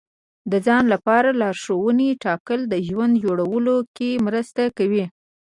د ځان لپاره لارښوونې ټاکل د ژوند جوړولو کې مرسته کوي.